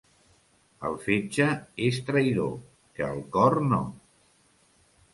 El fetge és traïdor, que el cor no.